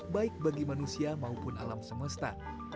baik bagi manusia maupun alam semesta